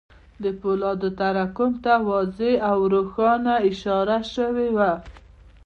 د پولادو تراکم ته واضح او روښانه اشاره شوې وه